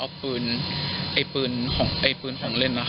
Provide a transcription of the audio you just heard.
ออกปืนไอ้ปืนห่องเล่น